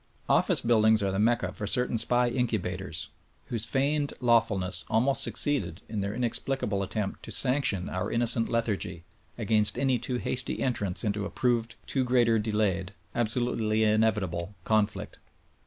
Office buildings are the mecca for certain SPY incubators whose feigned lawfulness alm.ost succeeded in their inexpHcable attempt to sanction our in nocent lethargy against any too hasty entrance into a proved too greater delayed, absolutely inevitable conflict.